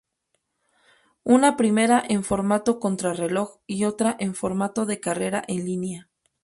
Una primera en formato contrarreloj y otra en formato de carrera en línea.